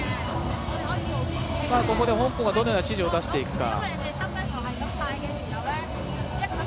ここで香港がどのような指示を出していくか。